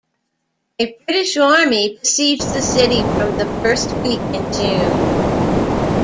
A British army besieged the city from the first week in June.